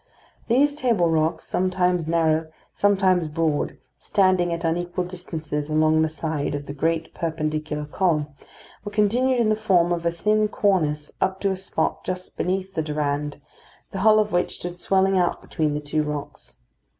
These table rocks, sometimes narrow, sometimes broad, standing at unequal distances along the side of the great perpendicular column, were continued in the form of a thin cornice up to a spot just beneath the Durande, the hull of which stood swelling out between the two rocks.